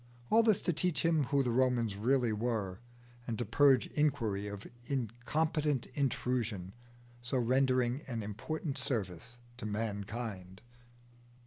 All this to teach him who the Romans really were, and to purge Inquiry of incompetent intrusion, so rendering an important service to mankind.